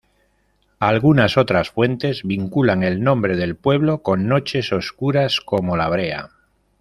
Algunas otras fuentes vinculan el nombre del pueblo, con noches oscuras como la brea.